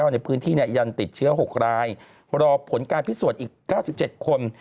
ในพื้นที่ยันติดเชื้อ๖รายรอผลการพิสูจน์อีก๙๗คน